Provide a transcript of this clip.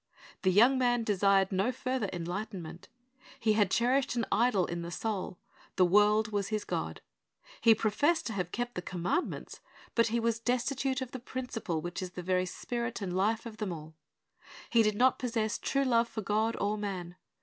The young man desired no further enlightenment. He had cherished an idol in the soul; the world was his god. He professed to have kept the commandments, but he was destitute of the principle which is the very spirit and life of them all. He did not possess true love for God or man.